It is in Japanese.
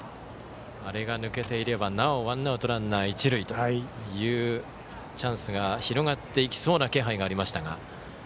あれが抜けていればワンアウトランナー、一塁というチャンスが広がっていきそうな気配がありましたが。